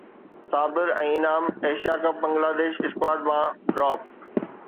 Sabir ۽ Inam Asia cup Bangladesh squad مان drop